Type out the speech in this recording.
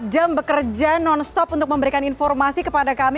dua puluh jam bekerja non stop untuk memberikan informasi kepada kami